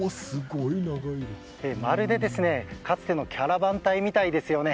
まるで、かつてのキャラバン隊みたいですよね。